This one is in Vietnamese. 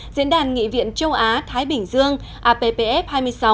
diễn đàn nghị viện châu á thái bình dương appf hai mươi sáu